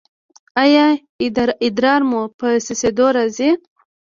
ایا ادرار مو په څڅیدو راځي؟